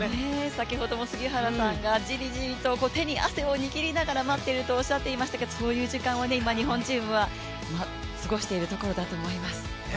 先ほども杉原さんがじりじりと手に汗を握りながら待っているとおっしゃっていましたけど、そういう時間を今日本チームは過ごしているところだと思います。